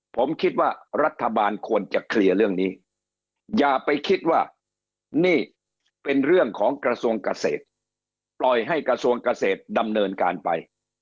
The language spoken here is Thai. ผมคิดว่ารัฐบาลควรจะเคลียร์เรื่องนี้อย่าไปคิดว่านี่เป็นเรื่องของกระทรวงเกษตรปล่อยให้กระทรวงเกษตรดำเนินการไป